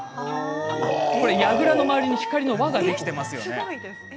やぐらの周りに光の輪ができていますよね。